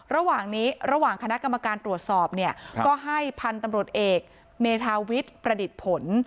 ระหว่างนี้ระหว่างคณะกรรมการตรวจสอบเนี่ยก็ให้พันธุ์ตำรวจเอกเมธาวิทย์ประดิษฐ์ผล